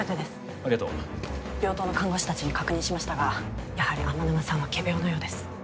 ありがとう病棟の看護師達に確認しましたがやはり天沼さんは仮病のようです